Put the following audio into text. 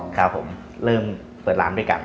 ครับผมเริ่มเปิดร้านด้วยกัน